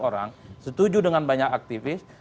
orang setuju dengan banyak aktivis